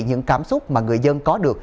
những cảm xúc mà người dân có được